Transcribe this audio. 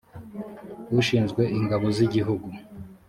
ushinzwe ingabo z igihugu